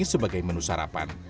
sebagai menu sarapan